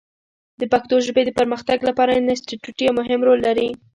د پښتو ژبې د پرمختګ لپاره انسټیټوت یو مهم رول لري.